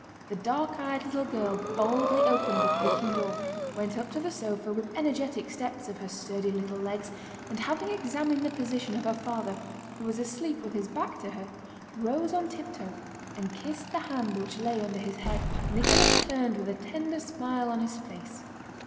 The dark eyed little girl boldly opened the creaking door, went up to the sofa with energetic steps of her sturdy little legs, and having examined the position of her father, who was asleep with his back to her, rose on tiptoe and kissed the hand which lay under his head. Nicholas turned with a tender smile on his face.